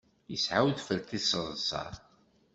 Yesɛa udfel tiseḍsa.